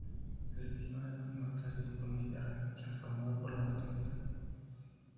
El clima de la comarca es de tipo mediterráneo, transformado por la alta montaña.